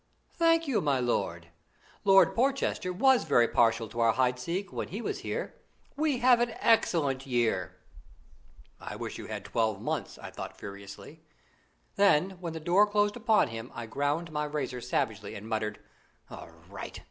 "Thank you, my lord. Lord Porchester was very partial to our Hideseek when he was here. We have an excellent year." "I wish you had twelve months," I thought furiously. Then when the door closed upon him, I ground my razor savagely and muttered: "All right!